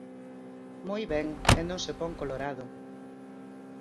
Moi ben, e non se pon colorado.